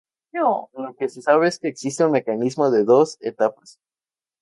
Lo que se sabe es que existe un mecanismo de dos etapas.